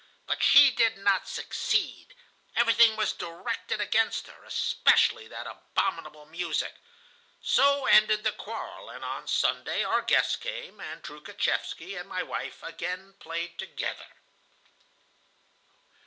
But she did not succeed. Everything was directed against her, especially that abominable music. So ended the quarrel, and on Sunday our guests came, and Troukhatchevsky and my wife again played together."